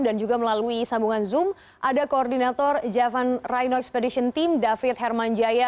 dan juga melalui sambungan zoom ada koordinator javan rhino expedition team david hermanjaya